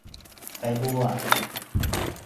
Хәйбулла